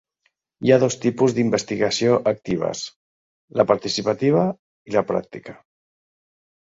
Hi ha dos tipus d'investigació actives: la participativa i la pràctica.